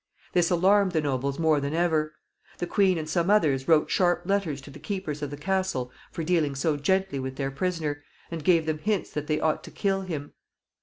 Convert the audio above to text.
This alarmed the nobles more than ever. The queen and some others wrote sharp letters to the keepers of the castle for dealing so gently with their prisoner, and gave them hints that they ought to kill him.